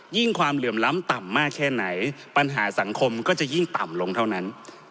ความเหลื่อมล้ำต่ำมากแค่ไหนปัญหาสังคมก็จะยิ่งต่ำลงเท่านั้น